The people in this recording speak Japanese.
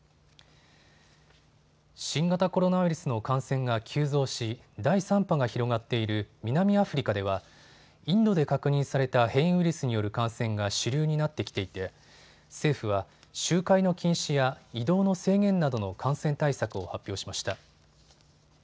新型コロナウイルスの感染が急増し、第３波が広がっている南アフリカではインドで確認された変異ウイルスによる感染が主流になってきていて政府は集会の禁止や移動の制限などの感染対策を発表しました。